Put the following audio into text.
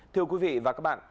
thưa quý vị và các bạn